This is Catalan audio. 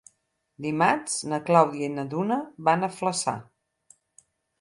Dimarts na Clàudia i na Duna van a Flaçà.